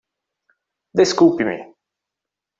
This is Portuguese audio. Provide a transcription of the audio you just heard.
Desculpe-me!